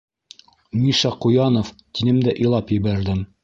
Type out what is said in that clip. - Миша Ҡуянов, - тинем дә илап ебәрҙем.